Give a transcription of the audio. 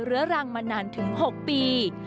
เรื้อรังมานานถึง๖ปี